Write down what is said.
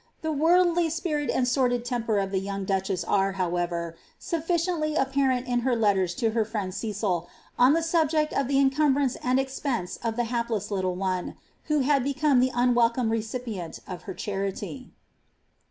The worldly spirit and sordid temper of the young duchess are, however^ Sufficiently apparent in her letters to her friend Cecil, on the subject of the incumbrance and expense of the hapless little one, who had become the unwelcome recipient of her charity.